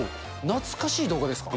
懐かしい動画ですか？